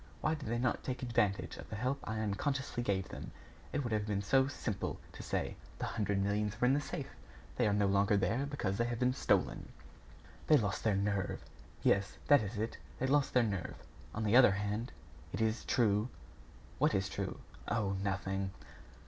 Why did they not take advantage of the help I unconsciously gave them? It would have been so simple to say: 'The hundred millions were in the safe. They are no longer there, because they have been stolen.'" "They lost their nerve." "Yes, that is it they lost their nerve...On the other hand, it is true " "What is true?" "Oh! nothing."